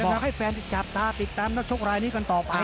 บอกให้แฟนจับตาติดตามต้องชกรายนี้ก่อนต่อไป